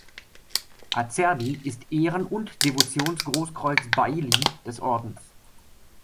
Acerbi ist Ehren- und Devotions-Großkreuz-Bailli des Ordens.